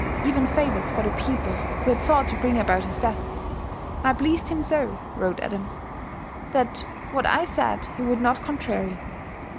Even favours for the people who had sought to bring about his death. "I pleased him so," wrote Adams, "that what I said he would not contrarie.